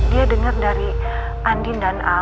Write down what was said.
dia denger dari andin dan al